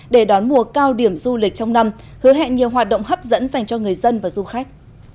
để đón mùa cao điểm du lịch trong năm hứa hẹn nhiều hoạt động hấp dẫn dành cho người dân và du khách